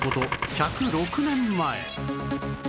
１０６年前